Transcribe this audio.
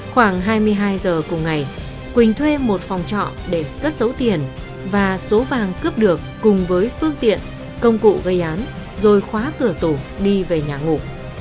khoảng hai mươi hai giờ cùng ngày quỳnh thuê một phòng trọ để cất dấu tiền và số vàng cướp được cùng với phương tiện công cụ gây án rồi khóa cửa tủ đi về nhà ngủ